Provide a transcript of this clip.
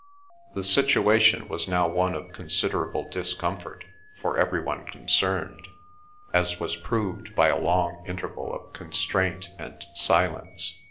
The situation was now one of considerable discomfort for every one concerned, as was proved by a long interval of constraint and silence.